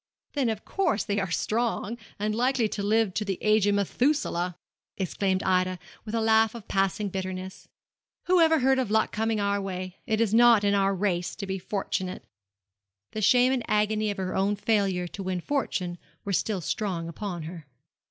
'Then, of course, they are strong, and likely to live to the age of Methuselah!' exclaimed Ida, with a laugh of passing bitterness. 'Who ever heard of luck coming our way? It is not in our race to be fortunate.' The shame and agony of her own failure to win fortune were still strong upon her.